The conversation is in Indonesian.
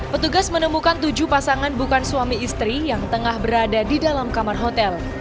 petugas menemukan tujuh pasangan bukan suami istri yang tengah berada di dalam kamar hotel